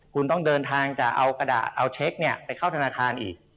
คุณต้องเดินทางจะเอากระดาษเอาเช็คไปเข้าธนาคารอีก